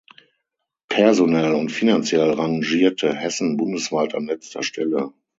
Personell und finanziell rangierte Hessen bundesweit an letzter Stelle.